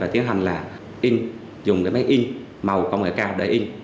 tiến hành là in dùng cái máy in màu công nghệ cao để in